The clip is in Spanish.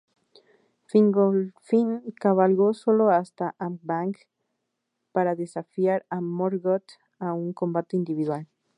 Fingolfin cabalgó solo hasta Angband para desafiar a Morgoth a un combate individual.